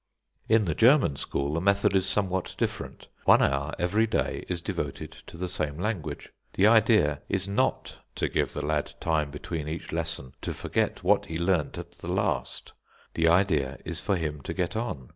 In the German school the method is somewhat different. One hour every day is devoted to the same language. The idea is not to give the lad time between each lesson to forget what he learned at the last; the idea is for him to get on.